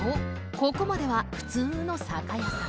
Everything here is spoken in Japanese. ここまでは普通の酒屋さん